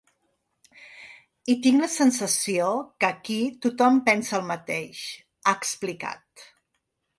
I tinc la sensació que aquí tothom pensa el mateix, ha explicat.